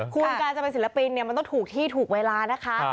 คุณการจะเป็นศิลปินเนี่ยมันต้องถูกที่ถูกเวลานะคะ